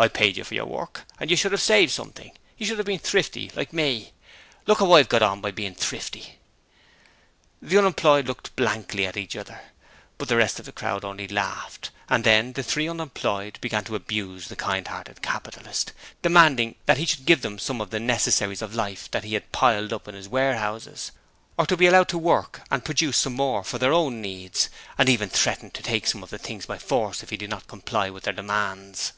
I paid you for your work and you should have saved something: you should have been thrifty like me. Look how I have got on by being thrifty!' The unemployed looked blankly at each other, but the rest of the crowd only laughed; and then the three unemployed began to abuse the kind hearted Capitalist, demanding that he should give them some of the necessaries of life that he had piled up in his warehouses, or to be allowed to work and produce some more for their own needs; and even threatened to take some of the things by force if he did not comply with their demands.